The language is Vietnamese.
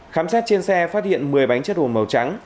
khám xét trên xe phát hiện một mươi bánh chất hồ màu trắng